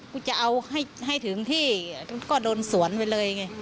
กูจะเอาให้ถึงที่ก็โดนสวนไปเลยไง